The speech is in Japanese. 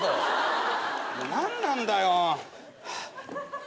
もう何なんだよ。